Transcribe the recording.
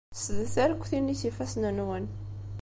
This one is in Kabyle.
Ssdet arekti-nni s yifassen-nwen.